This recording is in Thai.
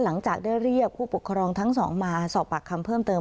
หลังจากได้เรียกผู้ปกครองทั้งสองมาสอบปากคำเพิ่มเติม